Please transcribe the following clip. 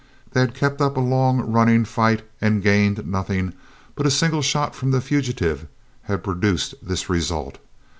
They had kept up a long running fight and gained nothing; but a single shot from the fugitive had produced this result.